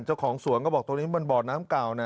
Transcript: เจ้าของสวนก็บอกตรงนี้มันบ่อน้ำเก่านะ